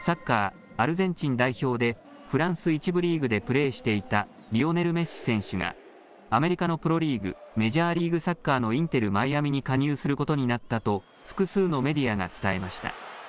サッカー、アルゼンチン代表で、フランス１部リーグでプレーしていたリオネル・メッシ選手が、アメリカのプロリーグ、メジャーリーグサッカーのインテル・マイアミに加入することになったと、複数のメディアが伝えました。